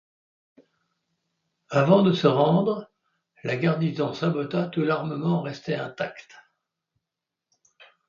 Avant de se rendre, la garnison sabota tout l'armement resté intact.